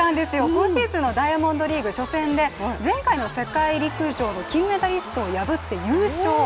今シーズンのダイヤモンドリーグ初戦で前回の世界陸上の金メダリストを破って優勝。